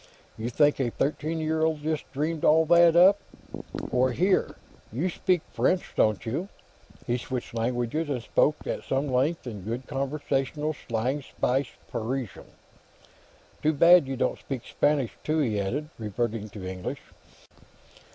You think a thirteen year old just dreamed all that up? Or, here; you speak French, don't you?" He switched languages and spoke at some length in good conversational slang spiced Parisian. "Too bad you don't speak Spanish, too," he added, reverting to English.